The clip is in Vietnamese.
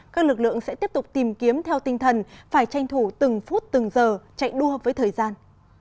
các lực lượng sẽ tiếp tục tìm kiếm theo tinh thần phải tranh thủ từng phút từng giờ chạy đua với thời gian